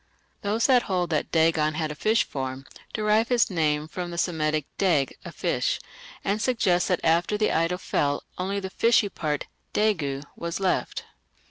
Those who hold that Dagon had a fish form derive his name from the Semitic "dag = a fish", and suggest that after the idol fell only the fishy part (dāgo) was left.